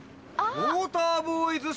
「ウォーターボーイズショー」。